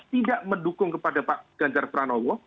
tidak mendukung kepada pak ganjar pranowo